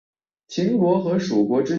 真心觉得这种行为很愚蠢